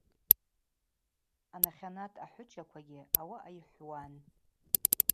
Анахьанат ахӏвычаквагьи ауаъа йхӏвуан.